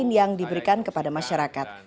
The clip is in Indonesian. yang diberikan kepada masyarakat